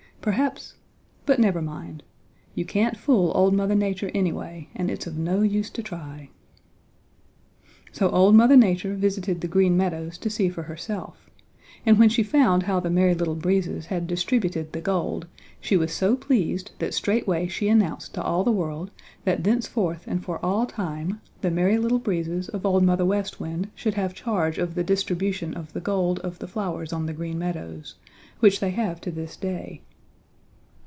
Perhaps but never mind. You can't fool old Mother Nature anyway and it's of no use to try. So old Mother Nature visited the Green Meadows to see for herself, and when she found how the Merry Little Breezes had distributed the gold she was so pleased that straightway she announced to all the world that thenceforth and for all time the Merry Little Breezes of Old Mother West Wind should have charge of the distribution of the gold of the flowers on the Green Meadows, which they have to this day.